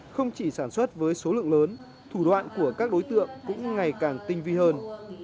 không chỉ sản xuất với số lượng lớn thủ đoạn của các đối tượng cũng ngày càng tinh vi hơn